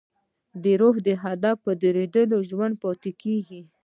روح د هدف په درلودو ژوندی پاتې کېږي.